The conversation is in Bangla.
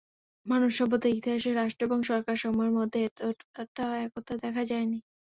মানব সভ্যতার ইতিহাসে রাষ্ট্র এবং সরকার সমূহের মধ্যে এতোটা একতা দেখা যায়নি।